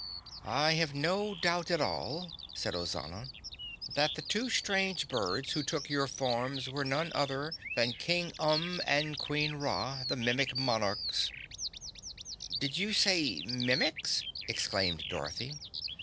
"I have no doubt at all," said Ozana, "that the two strange birds who took your forms were none other than King Umb and Queen Ra, the Mimic Monarchs." "Did you say Mimics?" exclaimed Dorothy.